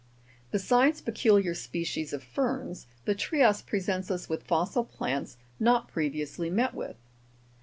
Besides peculiar species of ferns, the trias presents us with fossil plants not previously met with.